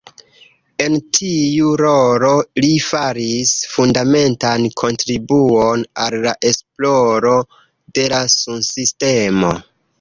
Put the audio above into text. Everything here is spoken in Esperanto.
En tiu rolo li faris fundamentan kontribuon al la esploro de la sunsistemo.